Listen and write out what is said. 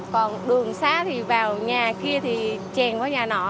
còn đường xá thì vào nhà kia thì chèn vào nhà nọ